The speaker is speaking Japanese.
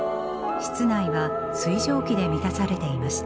室内は水蒸気で満たされていました。